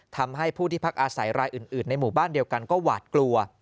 ทำให้ผู้ที่พักอาศัยรายอื่นในหมู่บ้านเดียวกันก็หวาดกลัว